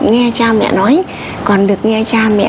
nghe cha mẹ nói còn được nghe cha mẹ